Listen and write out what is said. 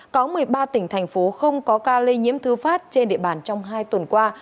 có một mươi ba tỉnh thành phố không có ca lây nhiễm thư phát trên địa bàn trong hai tuần qua